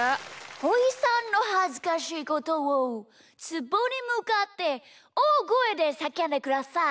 ほいさんのはずかしいことをつぼにむかっておおごえでさけんでください。